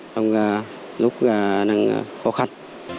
trong lúc đang khó khăn